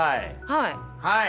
はい。